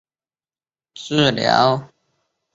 治疗我自己和其他人